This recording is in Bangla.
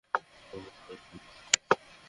ওহ, ভয়ংকর।